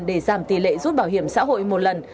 để giảm tỷ lệ rút bảo hiểm xã hội một lần